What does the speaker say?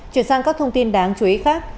chuyển sang các thông tin đáng chú ý khác